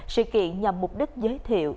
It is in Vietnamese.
sự kiện nhằm mục đích giới thiệu